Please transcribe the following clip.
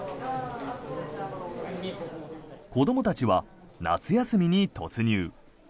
子どもたちは夏休みに突入。